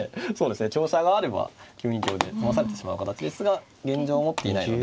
香車があれば９二香で詰まされてしまう形ですが現状持っていないので。